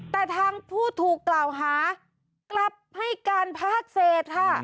แต่ทางผู้ถูกกล่าวหากลับให้การภาคเศษค่ะ